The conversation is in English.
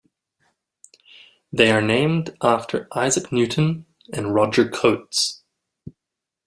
They are named after Isaac Newton and Roger Cotes.